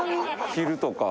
昼とか。